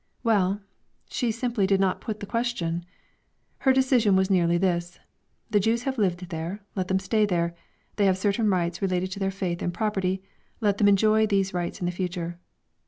Well, she simply did not put the question. Her decision was nearly this: The Jews have lived there let them stay there; they had certain rights relating to their faith and property let them enjoy these rights in the future.